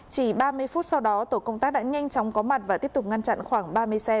chỉ ba mươi phút sau đó tổ công tác đã nhanh chóng có mặt và tiếp tục ngăn chặn khoảng ba mươi xe